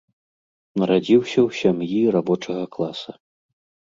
Нарадзіўся ў сям'і рабочага класа.